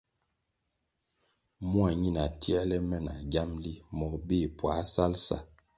Mua ñina tierle me na giamli mogo bir puáh sal sa.